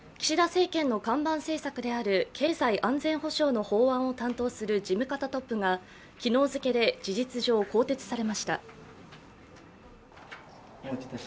岸田政権の看板政策である経済安全保障の法案を担当する事務方トップが昨日付けで事実上更迭されました。